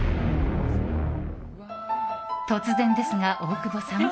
突然ですが、大久保さん。